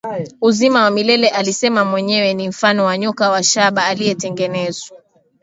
uzima wa milele alisema mwenyewe ni mfano wa nyoka wa shaba aliyetengenezwa